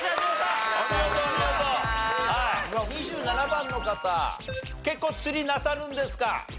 ２７番の方結構釣りなさるんですか？